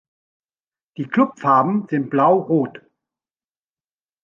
Die Klubfarben sind blau-rot.